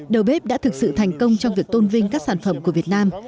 đầu bếp đã thực sự thành công trong việc tôn vinh các sản phẩm của việt nam